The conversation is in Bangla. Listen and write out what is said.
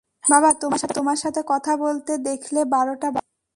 বাবা তোমার সাথে কথা বলতে দেখলে বারোটা বাজাবে।